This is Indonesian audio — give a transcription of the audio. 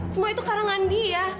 semua itu karangan dia